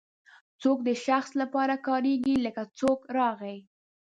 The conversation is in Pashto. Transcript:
څوک د شخص لپاره کاریږي لکه څوک راغی.